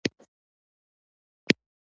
خوشاله وساتي.